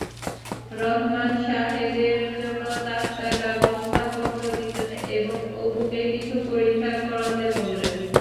রহমান সাহেবের জন্য ডাক্তার ব্যবস্থাপত্র দিলেন এবং অপুকে কিছু পরীক্ষা করাতে বললেন।